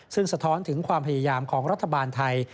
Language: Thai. ซึ่งสะท้อนถึงความพยายามของรัฐบาลไทย